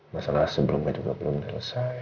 masalah sebelumnya juga belum selesai